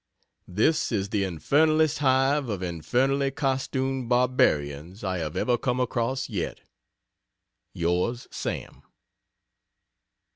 This is the infernalest hive of infernally costumed barbarians I have ever come across yet. Yrs. SAM.